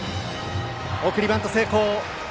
送りバント成功。